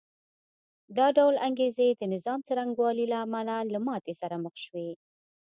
دا ډول انګېزې د نظام څرنګوالي له امله له ماتې سره مخ شوې